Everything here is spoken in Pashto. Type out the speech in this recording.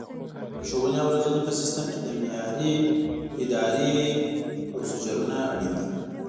د ښوونې او روزنې په سیستم کې د معیاري ادرایې پروسیجرونه اړین دي.